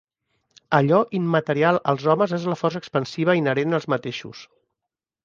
Allò immaterial als homes és la força expansiva inherent als mateixos.